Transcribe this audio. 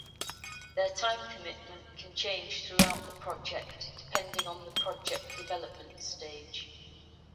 Their time commitment can change throughout the project depending on the project development stage.